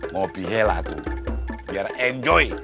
mau pihela tuh biar enjoy